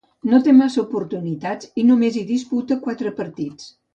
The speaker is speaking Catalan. No té massa oportunitats i només hi disputa quatre partits.